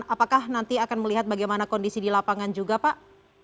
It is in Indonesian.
apakah nanti akan melihat bagaimana kondisi di lapangan juga pak